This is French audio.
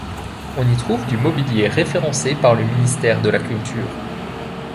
On y trouve du mobilier référencé par le ministère de la Culture.